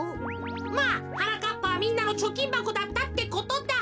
まあはなかっぱはみんなのちょきんばこだったってことだ。